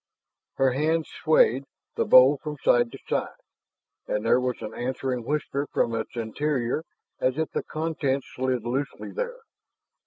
Her hands swayed the bowl from side to side, and there was an answering whisper from its interior as if the contents slid loosely there.